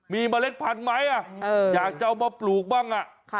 มีเมล็ดพันธุ์ไหมอยากจะเอามาปลูกบ้าง